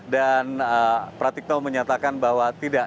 dan pratikno menyatakan bahwa tidak